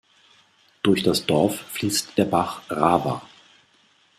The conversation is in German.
Durch das Dorf fließt der Bach "Rawa".